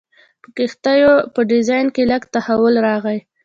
په کښتیو په ډیزاین کې لږ تحول راغی.